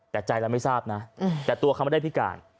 แต่ใจเราไม่ทราบนะแต่ตัวเขาไม่ได้พิการ